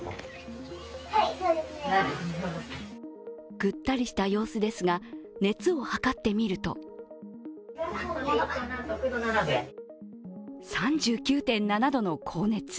ぐったりした様子ですが、熱を測ってみると３９．７度の高熱。